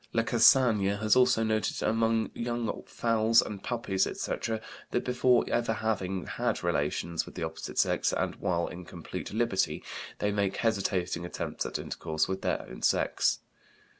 Lacassagne has also noted among young fowls and puppies, etc., that, before ever having had relations with the opposite sex, and while in complete liberty, they make hesitating attempts at intercourse with their own sex.